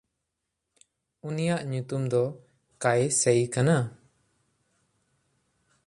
ᱩᱱᱤᱭᱟᱜ ᱧᱩᱛᱩᱢ ᱫᱚ ᱠᱟᱭᱥᱮᱭ ᱠᱟᱱᱟ᱾